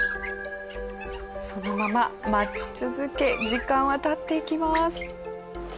そのまま待ち続け時間は経っていきます。